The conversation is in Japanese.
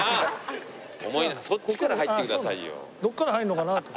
そっちから入ってくださいよ。